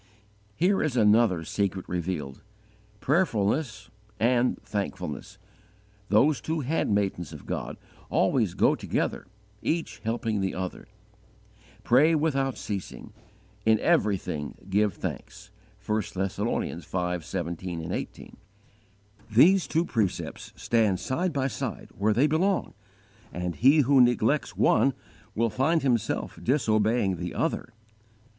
Here is another secret revealed: prayerfulness and thankfulness those two handmaidens Of God always go together, each helping the other. "Pray without ceasing: in everything give thanks." (1 Thess. v. 17, 18.) These two precepts stand side by side where they belong, and he who neglects one will find himself disobeying the other.